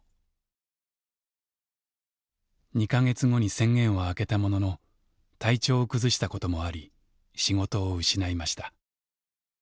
２か月後に宣言は明けたものの体調を崩したこともあり仕事を失いました。